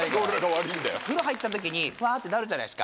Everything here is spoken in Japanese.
風呂入った時にふわぁってなるじゃないですか。